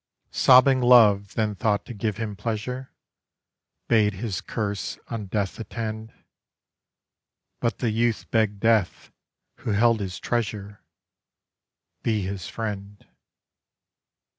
Sobbing Love then thought to give him pleasure, Bade his curse on Death attend; But the youth begged Death who held his treasure Be his friend.